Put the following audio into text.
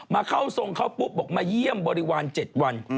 เข้าทรงเขาปุ๊บบอกมาเยี่ยมบริวาร๗วัน